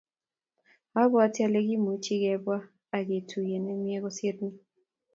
obwoti ale kimucgi kebwaa ak tetutie nemie kosiir ni